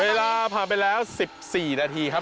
เวลาผ่านไปแล้ว๑๔นาทีครับ